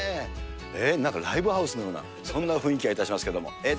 なんかライブハウスのような、そんな雰囲気がいたしますけれども。